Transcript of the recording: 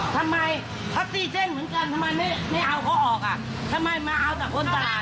ทำไมมาเอาแต่คนตลาดออก